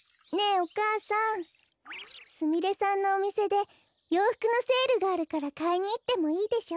お母さんすみれさんのおみせでようふくのセールがあるからかいにいってもいいでしょ？